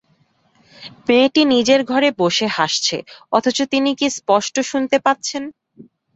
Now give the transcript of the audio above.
মেয়েটি নিজের ঘরে বসে হাসছে, অথচ তিনি কী স্পষ্ট শুনতে পাচ্ছেন!